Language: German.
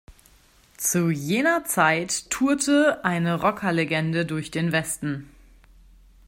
Zu jener Zeit tourte eine Rockerlegende durch den Westen.